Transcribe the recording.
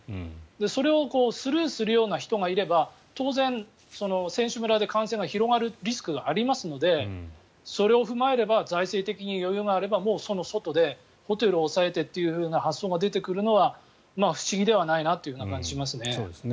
それをスルーするような人がいれば当然、選手村で感染が広がるリスクがありますのでそれを踏まえれば財政的に余裕があればもう外でホテルを押さえてという発想が出てくるのは不思議ではないなという感じがしますね。